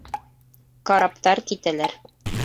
Караптар китәләр